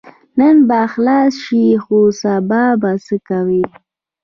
نن به خلاص شې خو سبا به څه کوې؟